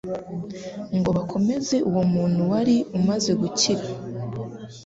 ngo bakomeze uwo muntu wari umaze gukira.